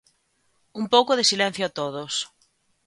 Un pouco de silencio a todos.